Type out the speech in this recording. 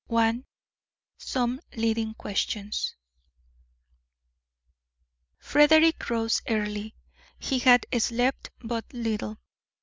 XVIII SOME LEADING QUESTIONS Frederick rose early. He had slept but little.